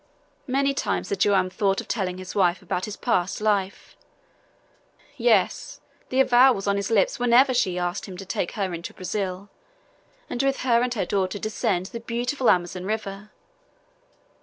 Many times had Joam thought of telling his wife about his past life. Yes! the avowal was on his lips whenever she asked him to take her into Brazil, and with her and her daughter descend the beautiful Amazon river.